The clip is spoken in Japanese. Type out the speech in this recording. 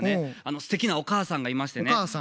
すてきなお母さんがいましてね。